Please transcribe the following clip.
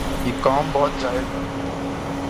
یہ قوم بہت جاہل ھے